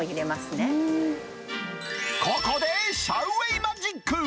ここでシャウ・ウェイマジック。